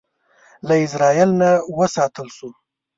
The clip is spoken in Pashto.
له ازرائیل نه وساتل شو.